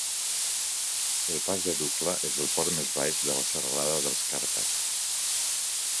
El pas de Dukla és el port més baix de la serralada dels Carpats.